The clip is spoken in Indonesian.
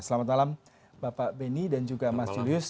selamat malam bapak beni dan juga mas julius